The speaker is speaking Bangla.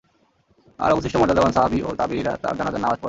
আর অবশিষ্ট মর্যাদাবান সাহাবী ও তাবেয়ীরা তার জানাযার নামায পড়েন।